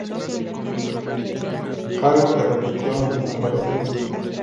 Cargo que repitió en varias ocasiones.